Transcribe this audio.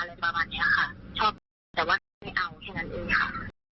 อะไรประมาณเนี้ยค่ะชอบกินแต่ว่าแค่ไม่เอาแค่นั้นเองค่ะ